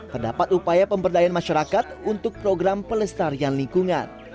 terdapat upaya pemberdayaan masyarakat untuk program pelestarian lingkungan